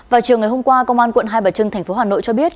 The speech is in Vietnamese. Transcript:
vào chiều ngày hôm qua công an tp hà nội cho biết